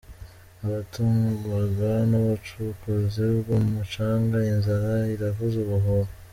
Abatungwaga n’ubucukuzi bw’umucanga, inzara iravuza ubuhuha